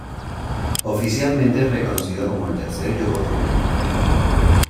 Oficialmente es reconocido como el tercer "yokozuna".